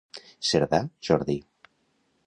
Cerdà, Jordi.